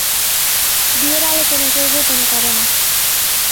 বিয়ের আলোচনা কেউ গোপনে করে না।